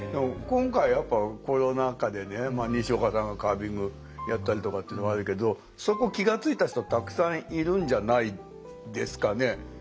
今回やっぱコロナ禍でねにしおかさんがカービングやったりとかっていうのはあるけどそこ気が付いた人たくさんいるんじゃないですかね。